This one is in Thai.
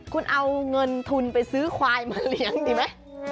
คุณเอาเงินทุนไปซื้อควายมาเลี้ยงดีไหม